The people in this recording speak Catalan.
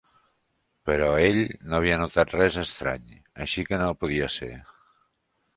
Però ell no havia notat res estrany, així que no podia ser.